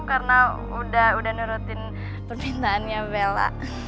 karena udah nurutin permintaannya bella